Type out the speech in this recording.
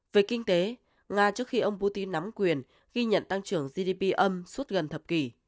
về kinh tế nga trước khi ông putin nắm quyền ghi nhận tăng trưởng gdp âm suốt gần thập kỷ